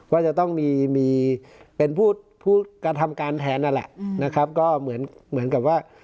ว่าจะต้องมีมีเป็นผู้กระทำการแทนนั่นแหละนะครับก็เหมือนเหมือนกับว่า